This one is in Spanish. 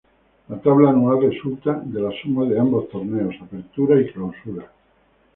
La Tabla Anual resulta de la suma de ambos torneos Apertura y Clausura.